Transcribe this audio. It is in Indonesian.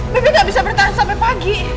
baby gak bisa bertahan sampai pagi